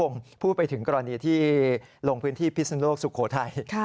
พูดไปถึงกรณีที่ลงพื้นที่พิศนุโลกสุโขทัย